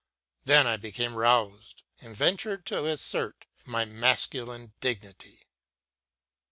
Then I became roused, and ventured to assert my masculine dignity.